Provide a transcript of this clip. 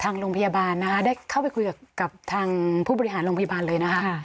ทางโรงพยาบาลนะคะได้เข้าไปคุยกับทางผู้บริหารโรงพยาบาลเลยนะคะ